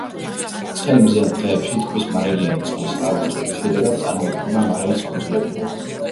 ცხელ, მზიან დღეებში ტბის მარილიანი წყლის აორთქლების შედეგად წარმოიქმნება მარილის კუნძულები.